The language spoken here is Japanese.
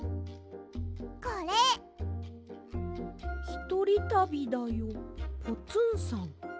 「ひとりたびだよポツンさん」。